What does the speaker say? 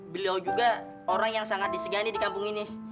beliau juga orang yang sangat disegani di kampung ini